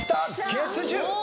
月１０！